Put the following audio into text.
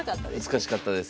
難しかったです。